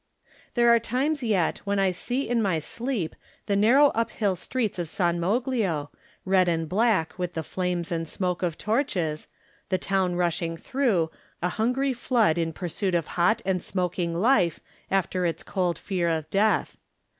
There are times yet when I see in my sleep the narrow uphill streets of San Mo glio, red and black with the flames and smoke of torches, the town rushing through, a hun gry flood in pursuit of hot and smoking life after its cold fear of death.